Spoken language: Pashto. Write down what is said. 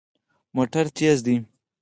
موټر ګړندی دی